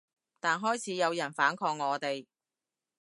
但開始有人反抗我哋